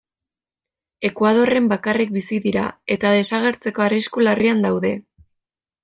Ekuadorren bakarrik bizi dira eta desagertzeko arrisku larrian daude.